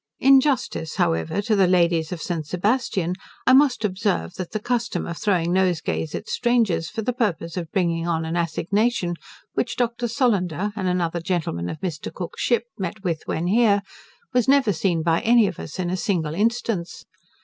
In justice, however, to the ladies of St. Sebastian, I must observe, that the custom of throwing nosegays at strangers, for the purpose of bringing on an assignation, which Doctor Solander, and another gentleman of Mr. Cook's ship, met with when here, was never seen by any of us in a single instance.